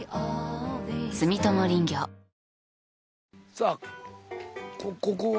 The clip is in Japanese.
さあここは。